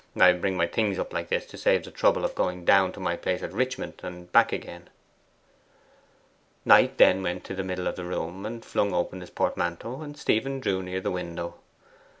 I bring up my things like this to save the trouble of going down to my place at Richmond and back again.' Knight then went to the middle of the room and flung open his portmanteau, and Stephen drew near the window.